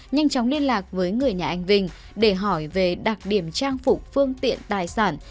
nhanh chóng liên lạc với người nhà anh vinh để hỏi về đặc điểm trang phục phương tiện tài sản